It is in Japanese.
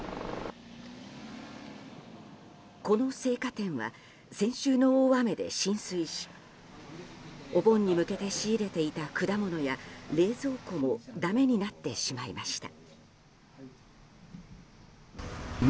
この青果店は先週の大雨で浸水しお盆に向けて仕入れていた果物や、冷蔵庫もだめになってしまいました。